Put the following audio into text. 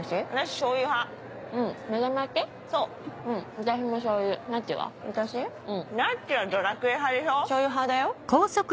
しょうゆ派だよ。